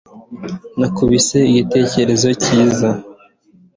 nakubise igitekerezo cyiza